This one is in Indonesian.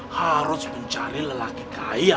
harus mencari lelaki kaya